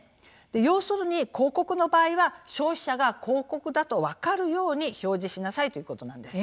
要するに広告の場合は消費者が広告だとわかるように表示しなさいということなんです。